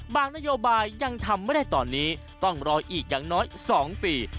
นโยบายยังทำไม่ได้ตอนนี้ต้องรออีกอย่างน้อย๒ปี